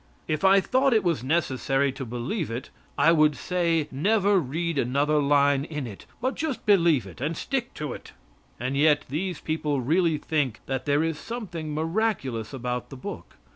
If I thought it was necessary to believe it I would say never read another line in it but just believe it and stick to it. And yet these people really think that there is something miraculous about the book.